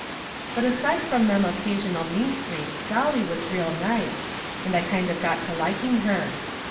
But aside from them occasional mean streaks Dolly was real nice, and I kind of got to liking her.